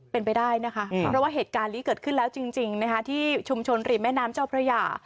เป็นไปได้นะคะเพราะว่าเหตุการณ์นี้เกิดขึ้นแล้วจริงนะคะที่ชุมชนริมแม่น้ำเจ้าพระยา